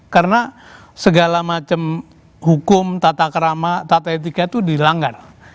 karena segala macam hukum tata kerama tata etika itu dilanggar